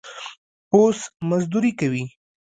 اوس مزدوري کوي.